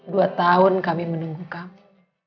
dua tahun kami menunggu kami